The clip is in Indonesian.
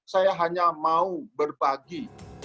saya hanya mau berbagi